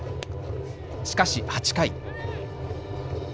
しかし８回。